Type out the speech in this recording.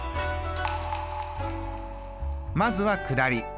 まずは下り。